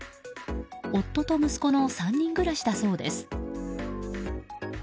夫と息子の３人暮らしだそうです。